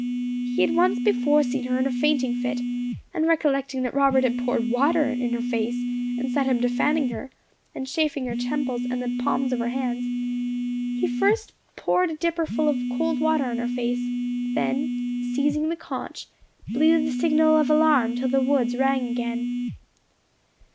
He had once before seen her in a fainting fit, and recollecting that Robert had poured water in her face, and set him to fanning her, and chafing her temples and the palms of her hands, he first poured a dipper full of cold water on her face, then seizing the conch, blew the signal of alarm, till the woods rang again.